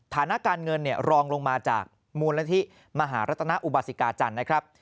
ฐานะการเงินรองลงมาจากมูลนิธิมหารัตนอุบาสิกาจันทร์นะครับ